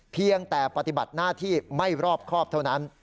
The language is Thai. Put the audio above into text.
เพียงแต่ปฏิบัติหน้าที่ไม่รอบครอบเท่านั้น